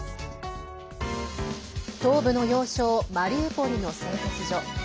東部の要衝マリウポリの製鉄所。